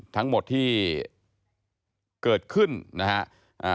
ทั้งหมดที่เกิดขึ้นนะฮะ